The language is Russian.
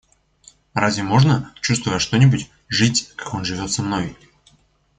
Разве можно, чувствуя что-нибудь, жить, как он живет со мной?